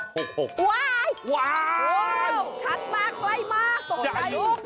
ชัดมากใกล้มากตกใจอีก